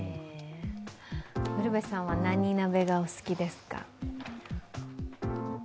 ウルヴェさんは何鍋がお好きですか？